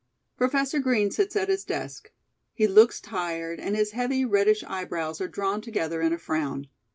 Professor Green sits at his desk. He looks tired, and his heavy reddish eyebrows are drawn together in a frown.